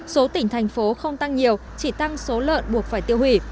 số tỉnh thành phố không tăng nhiều chỉ tăng số lợn buộc phải tiêu hủy